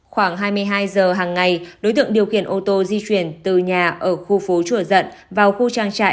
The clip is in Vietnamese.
khoảng hai mươi hai giờ hàng ngày đối tượng điều khiển ô tô di chuyển từ nhà ở khu phố chùa dận vào khu trang trại